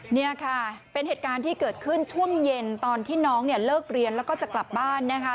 นี่ค่ะเป็นเหตุการณ์ที่เกิดขึ้นช่วงเย็นตอนที่น้องเนี่ยเลิกเรียนแล้วก็จะกลับบ้านนะคะ